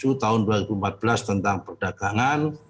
undang undang nomor tujuh tahun dua ribu empat belas tentang perdagangan